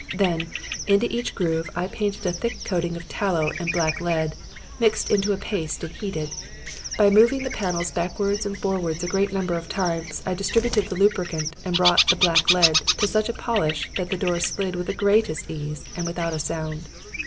Then, into each groove I painted a thick coating of tallow and black lead, mixed into a paste and heated. By moving the panels backwards and forwards a great number of times I distributed the lubricant and brought the black lead to such a polish that the doors slid with the greatest ease and without a sound.